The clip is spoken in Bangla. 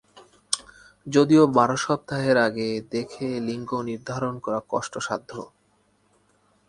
যদিও বারো সপ্তাহের আগে দেখে লিঙ্গ নির্ধারণ করা কষ্টসাধ্য।